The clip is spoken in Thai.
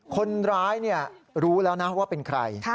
คนร้ายรู้แล้วนะว่าเป็นใคร